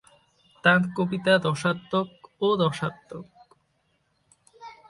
তাঁর কবিতা রসাত্মক ও রসাত্মক।